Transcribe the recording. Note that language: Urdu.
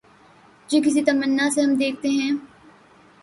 تجھے کس تمنا سے ہم دیکھتے ہیں